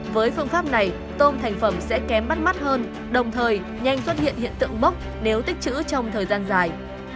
với phương pháp này tôm thành phẩm sẽ kém bắt mắt hơn đồng thời nhanh xuất hiện hiện tượng bốc nếu tích chữ trong thời gian dài